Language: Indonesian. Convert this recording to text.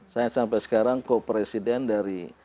saya sampai sekarang kok presiden dari